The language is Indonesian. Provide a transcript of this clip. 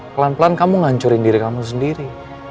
pelan pelan kamu ngancurin diri kamu sendiri